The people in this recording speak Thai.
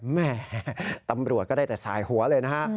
แม่ตำรวจก็ได้แต่สายหัวเลยนะฮะ